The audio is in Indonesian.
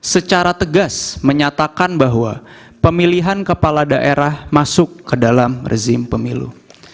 secara tegas menyatakan bahwa pemilihan kepala daerah masuk ke dalam rezim pemilu